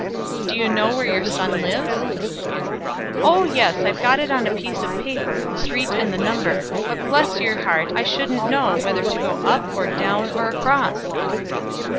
"Do you know where your son lives?" "Oh, yes, I've got it on a piece of paper, the street and the number; but bless your heart, I shouldn't know whether to go up, or down, or across."